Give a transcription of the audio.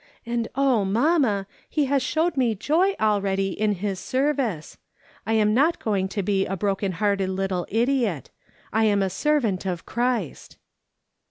And oh, mamma, he has showed me joy already in his service. I am not going to be a broken hearted little idiot. I am a servant of Christ."